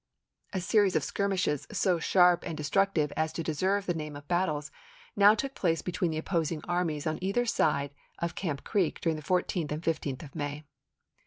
A series of skirmishes, so sharp and de structive as to deserve the name of battles, now took place between the opposing armies on either side of Camp Creek during the 14th and 15th of May.